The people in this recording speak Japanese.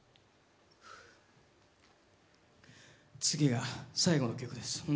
次が最後の曲です。